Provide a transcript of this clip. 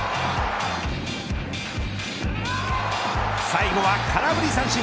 最後は空振り三振。